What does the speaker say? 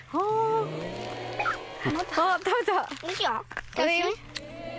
あっ食べた。